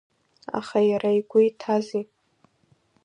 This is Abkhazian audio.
Аха иара игәы иҭази?